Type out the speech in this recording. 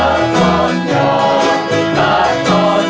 เป็นขายตัวเหี้ยก่อน